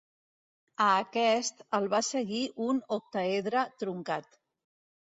A aquest el va seguir un octaedre truncat.